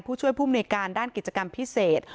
ผู้ช่วยผู้มนุยการด้านกิจกรรมพิเศษ